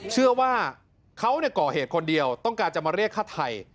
เชื่อว่าเขาก่อเหตุคนเดียวต้องการจะมาเรียกฆ่าไทย